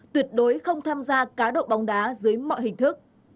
tuyệt đối không tham gia cá độ bóng đá dưới mọi hình thức